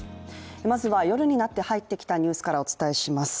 まずは夜になって入ってきたニュースからお伝えします。